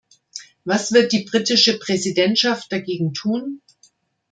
Was wird die britische Präsidentschaft dagegen tun?